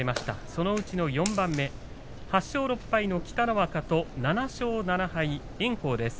そのうちの４番目８勝６敗の北の若と７勝７敗の炎鵬です。